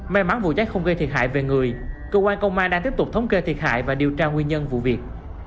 may mắn vụ chắc không gây thiệt hại về người cơ quan công an đang tiếp tục thống kê thiệt hại và điều tra nguyên nhân vụ việc